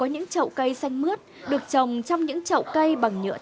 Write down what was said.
ăn nó cay hay rắn